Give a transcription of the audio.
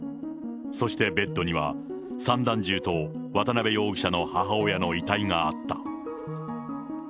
そしてベッドには、散弾銃と渡辺容疑者の母親の遺体があった。